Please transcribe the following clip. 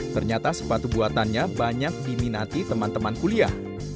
ternyata sepatu buatannya banyak diminati teman teman kuliah